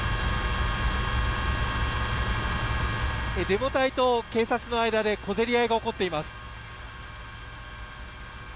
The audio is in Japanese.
デモ隊と警察の間で小競り合いが起こっています。